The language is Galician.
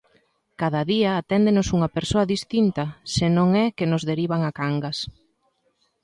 Cada día aténdenos unha persoa distinta se non é que nos derivan a Cangas.